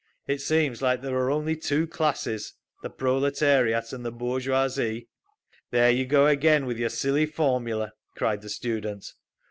It seems like there are only two classes, the proletariat and the bourgeoisie—" "There you go again with your silly formula!" cried the student.